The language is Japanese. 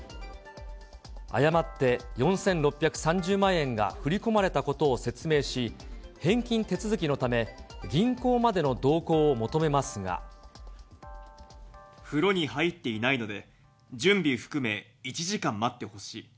誤って４６３０万円が振り込まれたことを説明し、返金手続きのため、風呂に入っていないので、準備含め、１時間待ってほしい。